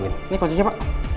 ini kocenya pak